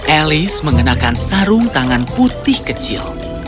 elis mengenakan sarung tangan putih kecil